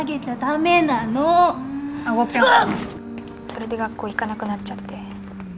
それで学校行かなくなっちゃって。